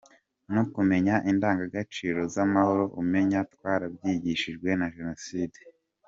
No kumenya indangagaciro z’amahoro, umenya twarabyigishijwe na Jenoside.